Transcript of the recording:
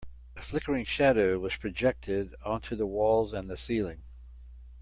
A flickering shadow was projected onto the walls and the ceiling.